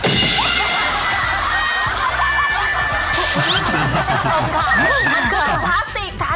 ถุงพลาสติกกันไม่ได้นะคะ